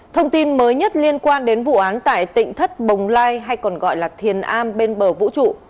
thông tin mới nhất liên quan đến vụ án tại tỉnh thất bồng lai hay còn gọi là thiền a bên bờ vũ trụ